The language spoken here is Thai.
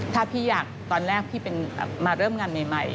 ถ้าพี่อยากตอนแรกพี่เป็นมาเริ่มงานใหม่